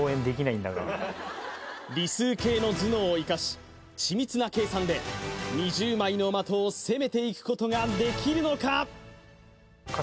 理数系の頭脳を生かし緻密な計算で２０枚の的を攻めていくことができるのか？